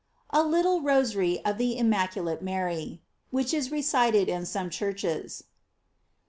A LITTLE ROSARY OF THE IMMACULATE MARY, "Which is recited in some Churches.